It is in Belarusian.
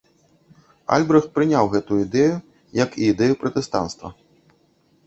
Альбрэхт прыняў гэту ідэю, як і ідэю пратэстанцтва.